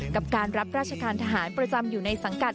กับการรับราชการทหารประจำอยู่ในสังกัด